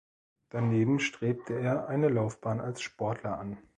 Daneben strebte er eine Laufbahn als Sportler an.